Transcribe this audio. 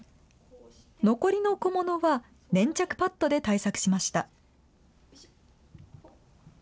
残りの小物は粘着パッドで対策しました。